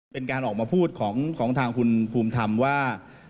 เป็นการออกมาพูดของทางคุณภูมิธรรมว่า